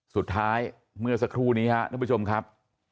สุดท้ายเมื่อสักครู่นี้ครับท่านผู้ชมครับ